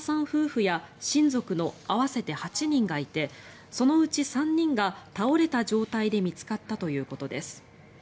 夫婦や親族の合わせて８人がいてそのうち３人が倒れた状態で見つかったということです。